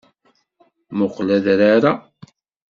Muqel adrar-a.